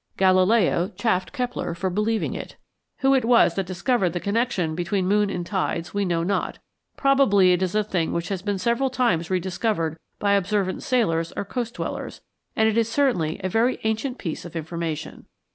Galileo chaffed Kepler for believing it. Who it was that discovered the connection between moon and tides we know not probably it is a thing which has been several times rediscovered by observant sailors or coast dwellers and it is certainly a very ancient piece of information.